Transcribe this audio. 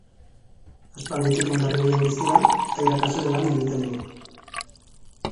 Aspalditik Hondarribian bizi da, eta irakasle lan egiten du.